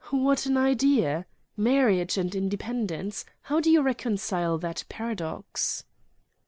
"What an idea! Marriage and independence: how do you reconcile that paradox?"